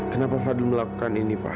kenapa fadil melakukan ini pak